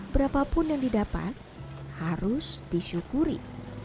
berapapun yang didapat harus disyukuri